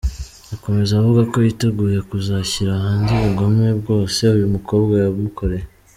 Akomeza avuga ko yiteguye kuzashyira hanze ubugome bwose uyu mukobwa yamukoreye.